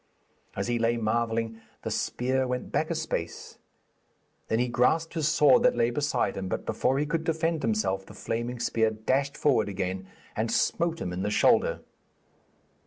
As he lay marvelling, the spear went back a space; then he grasped his sword that lay beside him, but before he could defend himself the flaming spear dashed forward again and smote him in the shoulder.